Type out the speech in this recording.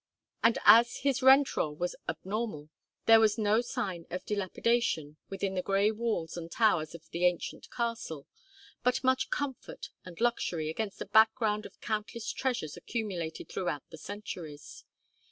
And as his rent roll was abnormal, there was no sign of dilapidation within the gray walls and towers of the ancient castle, but much comfort and luxury against a background of countless treasures accumulated throughout the centuries.